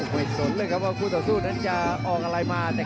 สนเลยครับว่าคู่ต่อสู้นั้นจะออกอะไรมา